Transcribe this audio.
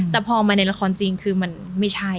แต่พอมาหลังของจริงคือมันไม่ใช่